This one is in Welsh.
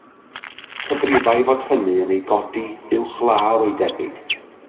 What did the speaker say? Cyfrifai fod hynny yn ei godi uwchlaw ei debyg.